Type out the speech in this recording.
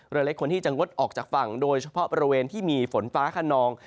เรือเล็กควรที่จะงดออกจากฝั่งโดยเฉพาะบริเวณที่มีฝนฟ้าขนอง